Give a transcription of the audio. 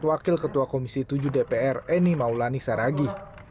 wakil ketua komisi tujuh dpr eni maulani saragih